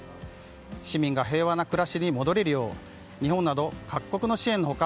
市民が平和な暮らしに戻れるよう日本など各国の支援の他